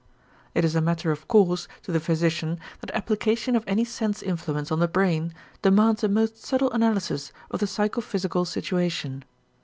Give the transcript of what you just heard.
It is a matter of course to the physician that application of any sense influence on the brain demands a most subtle analysis of the psychophysical situation.